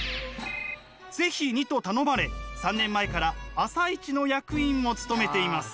「是非に」と頼まれ３年前から朝市の役員も務めています。